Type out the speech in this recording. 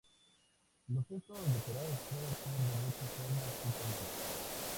Los cestos decorados pueden ser de muchas formas y tamaños.